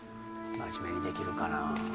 真面目にできるかな？